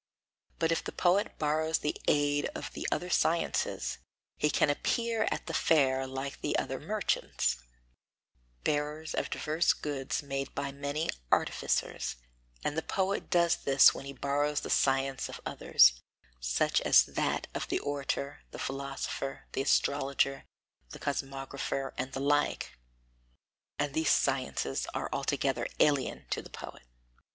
But if the poet borrows the aid of the other sciences, he can appear at the fair like the other merchants, bearers of divers goods made by many artificers; and the poet does this when he borrows the science of others, such as that of the orator, the philosopher, the astrologer, the cosmographer and the like; and these sciences are altogether alien to the poet.